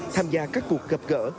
tham gia các cuộc gặp gỡ